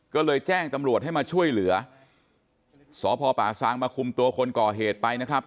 ก็เลยแจ้งตำรวจให้มาช่วยเหลือสพป่าซางมาคุมตัวคนก่อเหตุไปนะครับ